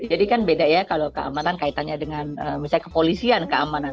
kan beda ya kalau keamanan kaitannya dengan misalnya kepolisian keamanan